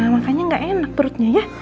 makanya gak enak perutnya ya